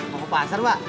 mau ke pasar mbak